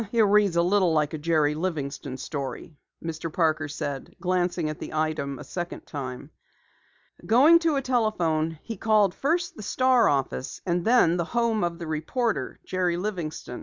"It reads a little like a Jerry Livingston story," Mr. Parker said, glancing at the item a second time. Going to a telephone he called first the Star office and then the home of the reporter, Jerry Livingston.